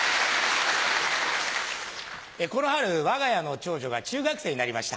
この春わが家の長女が中学生になりました。